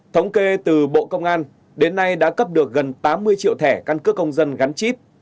thống kê từ bộ công an đến nay đã cấp được gần tám mươi triệu thẻ căn cước công dân gắn chip